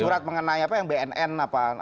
surat mengenai apa yang bnn apa